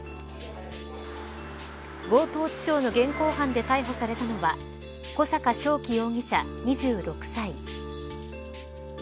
強盗致傷の現行犯で逮捕されたのは小阪渉生容疑者２６歳。